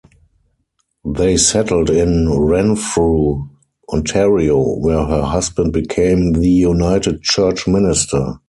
They settled in Renfrew, Ontario where her husband became the United Church minister.